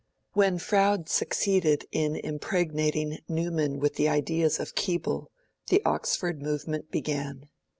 When Froude succeeded in impregnating Newman with the ideas of Keble, the Oxford Movement began.